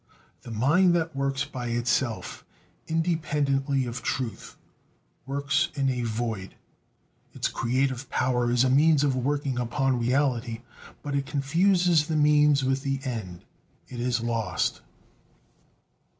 The mind that works by itself, independently of truth, works in a void. Its creative power is a means for working upon reality. But it confuses the means with the end, it is lost.